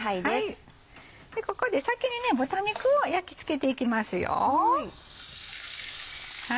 ここで先に豚肉を焼き付けていきますよ。